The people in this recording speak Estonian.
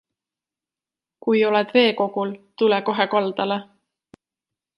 Kui oled veekogul, tule kohe kaldale.